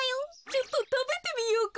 ちょっとたべてみようか。